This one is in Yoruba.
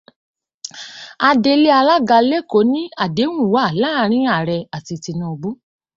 Adelé alága l'Ékòó ní àdéhùn wà láàrín ààrẹ àti Tinubu.